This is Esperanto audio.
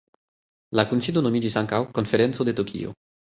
La kunsido nomiĝis ankaŭ Konferenco de Tokio.